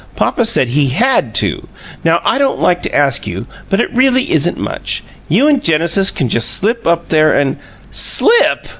Papa said he HAD to! Now, I don't like to ask you, but it really isn't much. You and Genesis can just slip up there and " "Slip!"